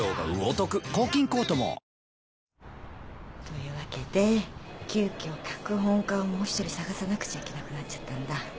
というわけで急きょ脚本家をもう一人探さなくちゃいけなくなっちゃったんだ。